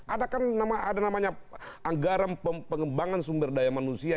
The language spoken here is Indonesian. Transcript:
ada kan ada namanya anggaran pengembangan sumber daya manusia